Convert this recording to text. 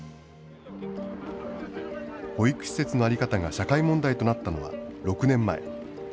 保育施設の在り方が社会問題となったのは６年前。